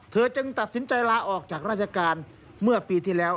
จึงตัดสินใจลาออกจากราชการเมื่อปีที่แล้ว